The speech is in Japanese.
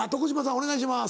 お願いします。